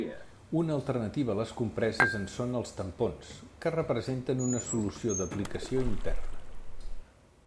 Una alternativa a les compreses en són els tampons, que representen una solució d'aplicació interna.